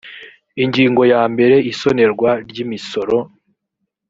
ingingo ya mbere isonerwa ry imisoro